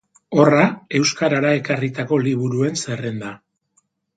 Horra euskarara ekarritako liburuen zerrenda.